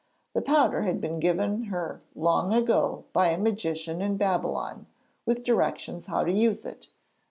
The powder had been given her long ago by a magician in Babylon, with directions how to use it.